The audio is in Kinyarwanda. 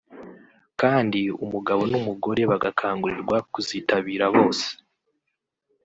kandi umugabo n’umugore bagakangurirwa kuzitabira bose